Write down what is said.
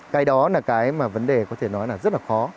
cái đó là cái mà vấn đề có thể nói là rất là khó